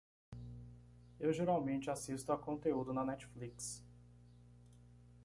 Eu geralmente assisto à conteúdo na Netflix.